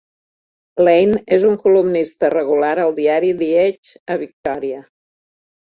Lane és un columnista regular al diari "The Age" a Victoria.